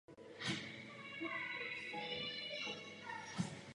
Bude ještě mocnější díky Lisabonské smlouvě, pokud bude konečně ratifikována.